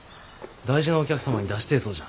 大事なお客様に出してえそうじゃ。